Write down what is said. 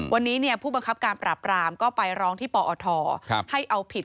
วันนี้ผู้บังคับการปราบรามก็ไปร้องที่ปอทให้เอาผิด